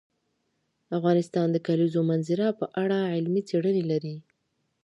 افغانستان د د کلیزو منظره په اړه علمي څېړنې لري.